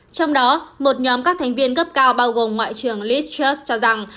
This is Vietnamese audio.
trong đó một nhóm các thành viên cấp cao bao gồm ngoại trưởng liz truss cho rằng